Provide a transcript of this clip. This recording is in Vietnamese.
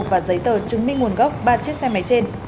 và giấy tờ chứng minh nguồn gốc ba chiếc xe máy trên